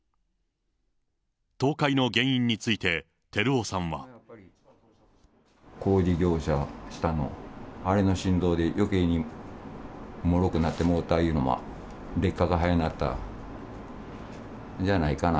倒壊の原因について、輝雄さんは。工事業者、下の、あれの振動でよけいにもろくなってもうたいうのも、劣化が早なったんじゃないかな。